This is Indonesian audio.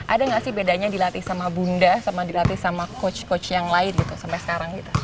ada nggak sih bedanya dilatih sama bunda sama dilatih sama coach coach yang lain gitu sampai sekarang gitu